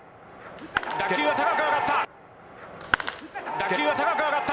打球は高く上がった。